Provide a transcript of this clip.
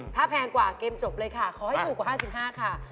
ถ้าแพงกว่าเกมจบเลยค่ะขอให้ถูกกว่า๕๕ค่ะ